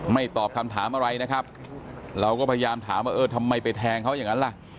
ตอบคำถามอะไรนะครับเราก็พยายามถามว่าเออทำไมไปแทงเขาอย่างนั้นล่ะ